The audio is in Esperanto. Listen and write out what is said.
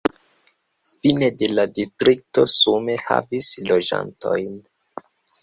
Fine de la distrikto sume havis loĝantojn.